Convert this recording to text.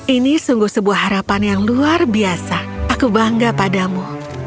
ini sungguh sebuah harapan yang luar biasa aku bangga padamu